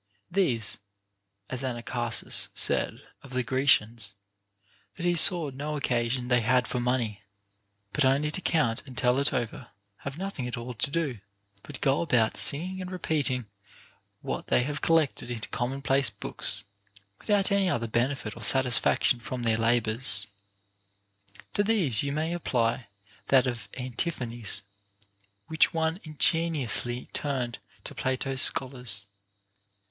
These (as Anacharsis said of the Grecians, that he saw no occasion they had for money, but only to count and tell it over) have nothing at all to do, but "go about singing and repeating what they have collected into commonplace books, with out any other benefit or satisfaction from their labors. To these you may apply that of Antiphanes, which one ingen iously turned to Plato's scholars.